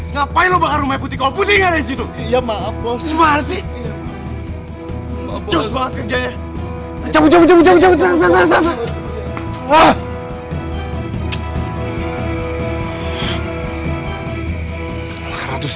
ngapain lo bakal rumah putri kau putri yang ada disitu